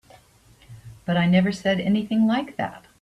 But I never said anything like that.